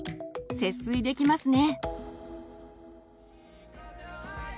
節水できますね。